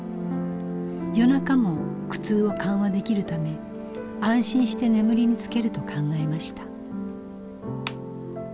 夜中も苦痛を緩和できるため安心して眠りにつけると考えました。